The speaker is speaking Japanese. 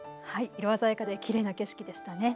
色鮮やかできれいな景色でしたね。